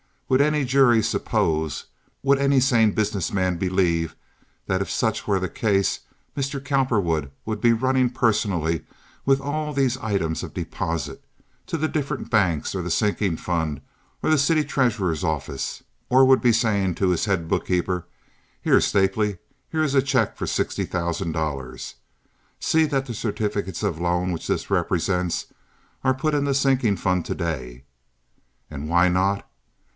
Would any jury suppose, would any sane business man believe that if such were the case Mr. Cowperwood would be running personally with all these items of deposit, to the different banks or the sinking fund or the city treasurer's office, or would be saying to his head bookkeeper, 'Here, Stapley, here is a check for sixty thousand dollars. See that the certificates of loan which this represents are put in the sinking fund to day'? And why not?